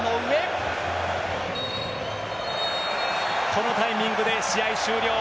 このタイミングで試合終了。